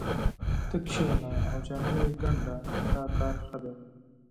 ته کښېنه او جامې ګنډه دا کار ښه دی